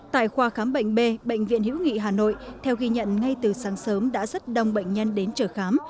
tại khoa khám bệnh b bệnh viện hiễu nghị hà nội theo ghi nhận ngay từ sáng sớm đã rất đông bệnh nhân đến trở khám